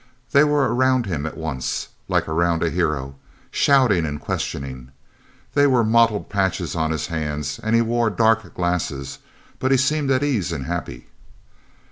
They were around him at once, like around a hero, shouting and questioning. There were mottled patches on his hands, and he wore dark glasses, but he seemed at ease and happy.